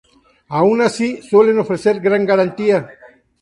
Aun así, no suelen ofrecer gran garantía.